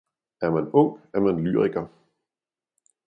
er man ung, er man lyriker!